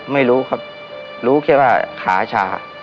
ไม่รู้ครับรู้แค่ว่าขาชา